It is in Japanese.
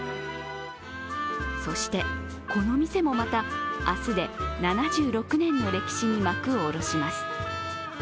そして、この店もまた明日で７６年の歴史に幕を下ろします。